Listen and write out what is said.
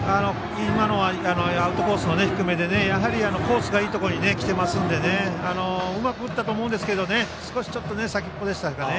今のはアウトコースの低めでやはりコースがいいところに来ていますのでうまく打ったと思うんですけど少し先っぽでしたかね。